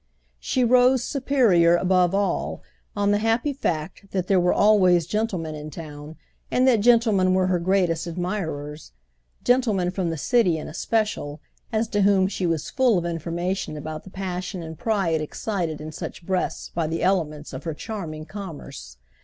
She rose superior, above all, on the happy fact that there were always gentlemen in town and that gentlemen were her greatest admirers; gentlemen from the City in especial—as to whom she was full of information about the passion and pride excited in such breasts by the elements of her charming commerce.